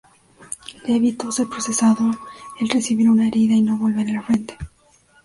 Le evitó ser procesado el recibir una herida y no volver al frente.